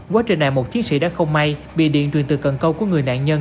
quá trình này một chiến sĩ đã không may bị điện truyền từ cần câu của người nạn nhân